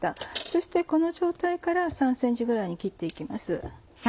そしてこの状態から３ｃｍぐらいに切って行きます。